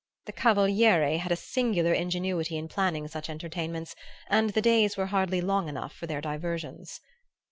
The Cavaliere had a singular ingenuity in planning such entertainments and the days were hardly long enough for their diversions.